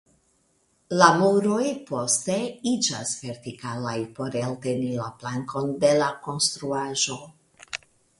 La muroj poste iĝas vertikalaj por elteni la plankon de la konstruaĵo.